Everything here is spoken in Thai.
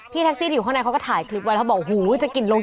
พี่แท็กซี่ตรงอยู่ข้างในเขาก็ถ่ายคลิปไว้แล้วบอกโหจะกลิ่นร้อง